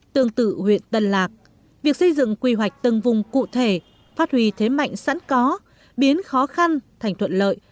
tương tự huyện tân lạc việc xây dựng quy hoạch tầng vùng cụ thể phát huy thế mạnh sẵn có biến khó khăn thành thuận lợi